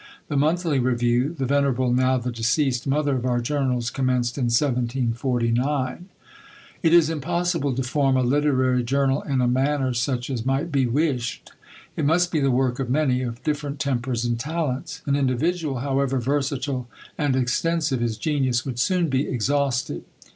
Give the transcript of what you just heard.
The Monthly Review, the venerable (now the deceased) mother of our journals, commenced in 1749. It is impossible to form a literary journal in a manner such as might be wished; it must be the work of many, of different tempers and talents. An individual, however versatile and extensive his genius, would soon be exhausted.